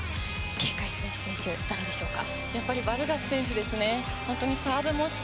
警戒すべき選手、誰でしょうか。